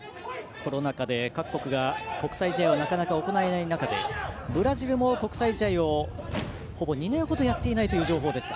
コロナ禍で各国国際試合を行えない中でブラジルも国際試合をほぼ２年ほどやっていないという情報でした。